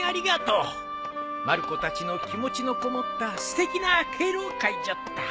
まる子たちの気持ちのこもったすてきな敬老会じゃった。